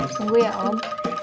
tunggu ya om